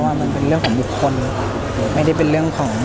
มันเป็นเรื่องของบุคคลไม่ได้เป็นเรื่องของ